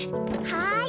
はい！